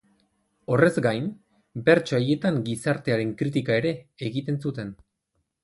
Horrez gain, bertso haietan gizartearen kritika ere egiten zuten.